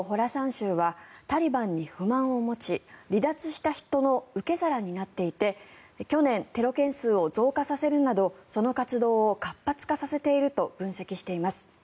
州はタリバンに不満を持ち離脱した人の受け皿になっていて去年、テロ件数を増加させるなどその活動を活発化させていると分析しています。